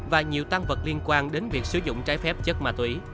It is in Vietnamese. và nhiều tăng vật liên quan đến việc sử dụng trái phép chất ma túy